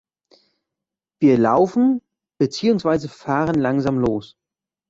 Wir laufen beziehungsweise fahren langsam los.